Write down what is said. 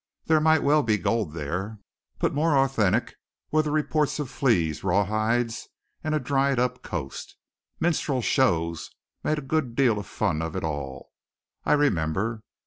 There might well be gold there; but more authentic were the reports of fleas, rawhides, and a dried up coast. Minstrel shows made a good deal of fun of it all, I remember.